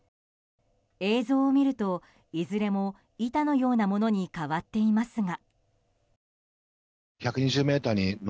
映像を見ると、いずれも板のようなものに変わっていますが。